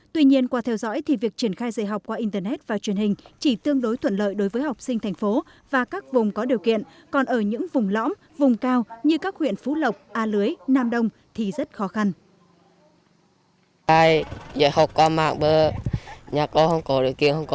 tuy nhiên qua theo dõi thì việc triển khai dạy học qua internet và truyền hình chỉ tương đối thuận lợi đối với học sinh thành phố và các vùng có điều kiện còn ở những vùng lõm vùng cao như các huyện phú lộc a lưới nam đông thì rất khó khăn